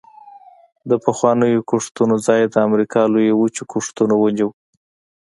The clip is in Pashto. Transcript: د پخوانیو کښتونو ځای د امریکا لویې وچې کښتونو ونیو